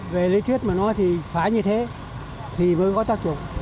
về lý thuyết mà nó thì phải như thế thì mới có tác dụng